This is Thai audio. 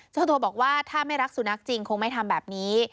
เจ้าตัวบอกว่าถ้าไม่รักสุนัขจริงคงไม่ทำแบบนี้